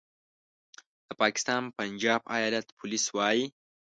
د پاکستان پنجاب ایالت پولیس وايي